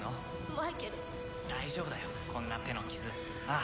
マイケル大丈夫だよこんな手の傷ああ